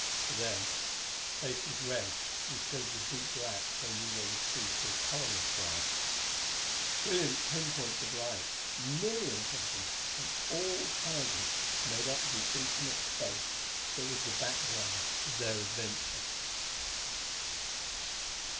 For them, space was red, instead of the deep black they knew they would see through colorless glass. Brilliant pinpoints of light, millions of them, in all sizes, made up the infinite space that was the background of their adventure.